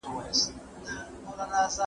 بېړني قوانین څنګه منل کېږي؟